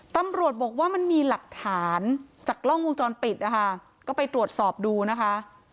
ตำรวจบอกว่ามันมีหลักฐานจากกล้องวงจรปิดนะคะก็ไปตรวจสอบดูนะคะ